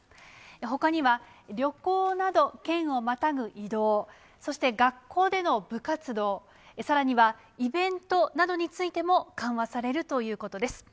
ほかには、旅行など、県をまたぐ移動、そして学校での部活動、さらにはイベントなどについても、緩和されるということです。